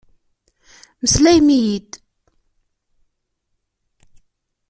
Meslayem-iyi-d!